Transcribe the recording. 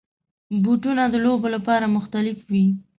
بوټونه د لوبو لپاره مختلف وي.